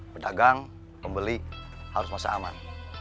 pedagang pembeli harus masa aman